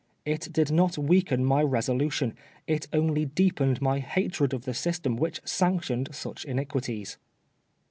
It did not weaken my resolution ; it only deepened my hatred of the system which sanctioned such iniquities.